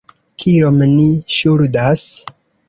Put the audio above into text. Kiom ni ŝuldas?